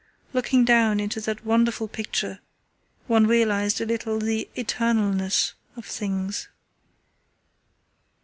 Looking down into that wonderful picture one realized a little the 'eternalness' of things.